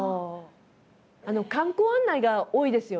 観光案内が多いですよね？